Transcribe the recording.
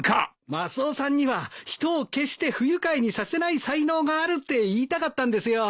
マスオさんには人を決して不愉快にさせない才能があるって言いたかったんですよ。